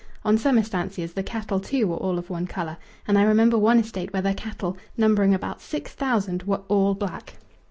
On some estancias the cattle, too, were all of one colour, and I remember one estate where the cattle, numbering about six thousand, were all black.